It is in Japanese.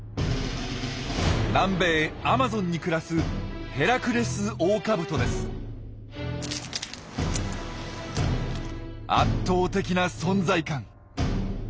南米アマゾンに暮らす圧倒的な存在感。